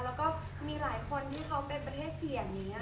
แล้วก็มีหลายคนที่เขาเป็นประเทศเสียง